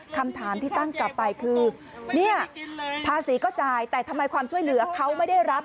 คำถามที่ตั้งกลับไปคือเนี่ยภาษีก็จ่ายแต่ทำไมความช่วยเหลือเขาไม่ได้รับ